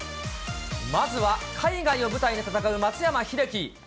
まずは海外の舞台で戦う松山英樹。